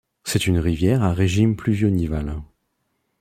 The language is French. C'est une rivière à régime pluvio-nival.